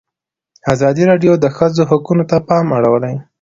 ازادي راډیو د د ښځو حقونه ته پام اړولی.